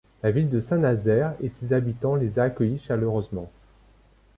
La ville de Saint-Nazaire & ses habitants les a accueillis chaleureusement.